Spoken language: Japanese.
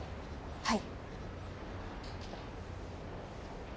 はい。